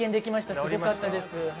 すごかったです。